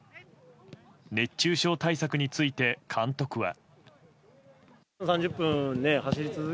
熱中症対策について監督は。